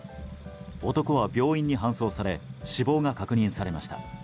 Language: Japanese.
男は病院に搬送され死亡が確認されました。